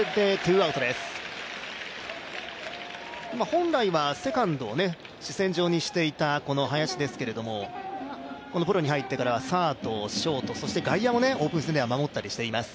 本来はセカンドを主戦場にしていた林ですけれども、このプロに入ってからサード、ショートそして外野もオープン戦では守ったりしています。